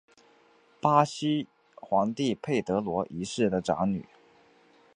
巴西皇帝佩德罗一世的长女。